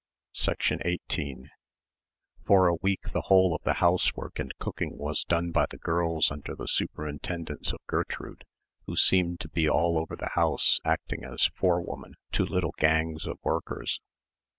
18 For a week the whole of the housework and cooking was done by the girls under the superintendence of Gertrude, who seemed to be all over the house acting as forewoman to little gangs of workers.